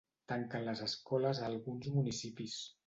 Tanquen les escoles a alguns municipis